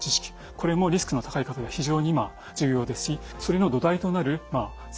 これもリスクの高い方が非常に今重要ですしそれの土台となる性的同意。